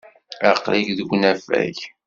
Aql-ik deg unafag.